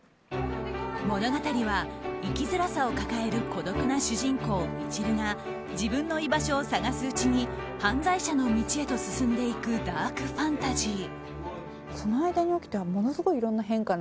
物語は生きづらさを抱える孤独な主人公ミチルが自分の居場所を探すうちに犯罪者の道へと進んでいくダークファンタジー。